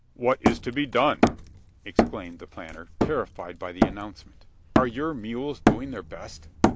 "What is to be done?" exclaimed the planter, terrified by the announcement. "Are your mules doing their best?"